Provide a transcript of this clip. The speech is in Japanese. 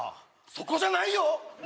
そこじゃないよ！？